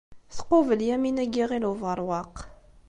Tqubel Yamina n Yiɣil Ubeṛwaq.